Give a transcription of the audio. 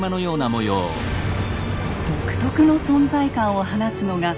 独特の存在感を放つのが顔。